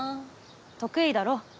得意だろ？